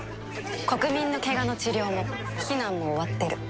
国民の怪我の治療も避難も終わってる。